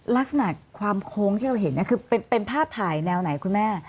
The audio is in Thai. ลักษณะความโค้งที่เราเห็นคือเป็นภาพถ่ายแนวไหนคุณแม่